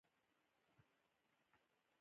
خو هغه تمباکو زموږ تر ګوتو نه راورسېدل.